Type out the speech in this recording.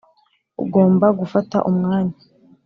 ugomba gufata umwanya